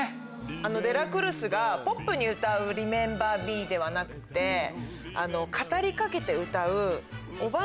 デラクルスがポップに歌う『リメンバー・ミー』ではなくて語りかけて歌う。